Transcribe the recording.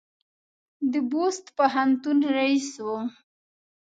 د بُست پوهنتون رییس و.